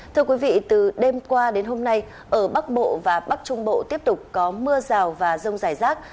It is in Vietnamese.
thưa quý vị từ đêm qua đến hôm nay ở bắc bộ và bắc trung bộ tiếp tục có mưa rào và rông rải rác